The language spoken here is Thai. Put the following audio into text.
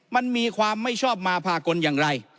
มันมีความไม่ชอบมาพากลอย่างไร